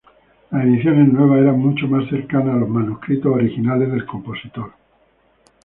Las ediciones nuevas eran mucho más cercanas a los manuscritos originales del compositor.